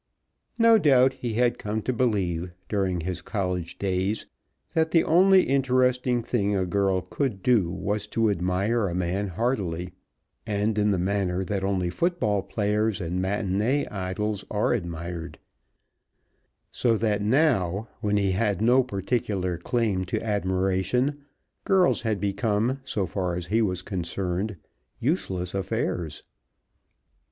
No doubt he had come to believe, during his college days, that the only interesting thing a girl could do was to admire a man heartily, and in the manner that only foot ball players and matinee idols are admired, so that now, when he had no particular claim to admiration, girls had become, so far as he was concerned, useless affairs.